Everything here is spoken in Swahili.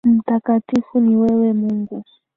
Mtakatifu ni wewe Mungu.